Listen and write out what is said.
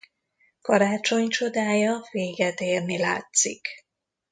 Karácsony csodája véget érni látszik.